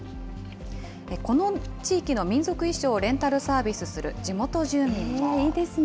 この地域の民族衣装をレンタルサービスする地元住民も。